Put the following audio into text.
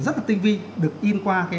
rất là tinh vi được in qua